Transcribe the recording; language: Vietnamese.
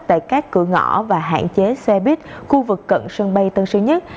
tại các cửa ngõ và hạn chế xe bít khu vực cận sân bay tân sơn nhất